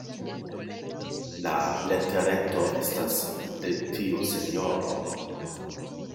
La letereto estas de tiu sinjoro.